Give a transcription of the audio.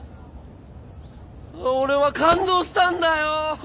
俺は感動したんだよー。